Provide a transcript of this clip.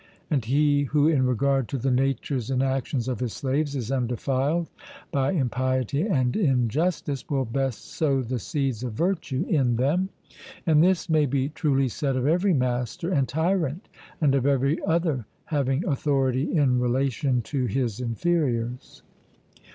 And he who in regard to the natures and actions of his slaves is undefiled by impiety and injustice, will best sow the seeds of virtue in them; and this may be truly said of every master, and tyrant, and of every other having authority in relation to his inferiors.'